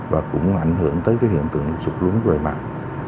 và cũng ảnh hưởng tới cái hiện tượng sụp lúng rời mặt